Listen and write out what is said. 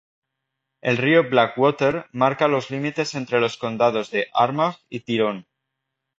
El río Blackwater marca los límites entre los condados de Armagh y Tyrone.